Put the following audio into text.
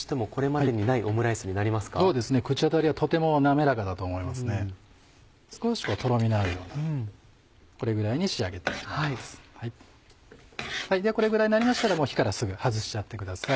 ではこれぐらいになりましたら火からすぐ外しちゃってください。